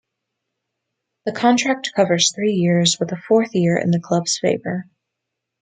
The contract covers three years, with a fourth year in the club's favour.